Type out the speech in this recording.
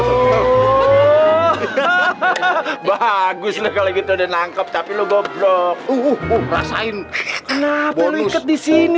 hahaha bagus kalau gitu udah nangkep tapi lu goblok uh rasain kenapa lu ikat di sini